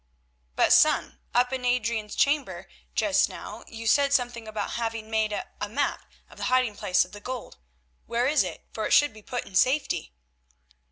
"But, son, up in Adrian's chamber just now you said something about having made a map of the hiding place of the gold. Where is it, for it should be put in safety?"